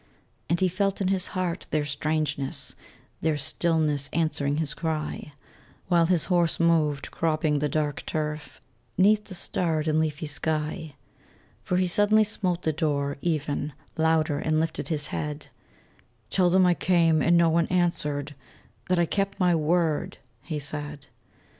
And he felt in his heart their strangeness, Their stillness answering his cry, While his horse moved, cropping the dark turf, 'Neath the starred and leafy sky; For he suddenly smote the door, even Louder, and lifted his head: "Tell them I came, and no one answered, That I kept my word," he said.